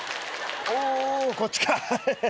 おこっちか。